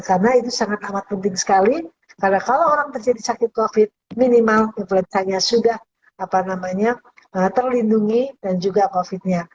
karena itu sangat amat penting sekali karena kalau orang terjadi sakit covid sembilan belas minimal inflinstanya sudah terlindungi dan juga covid sembilan belas nya